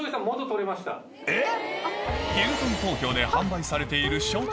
えっ！